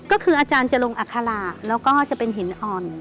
ก็คืออาจารย์จะลงอัคระแล้วก็จะเป็นหินอ่อน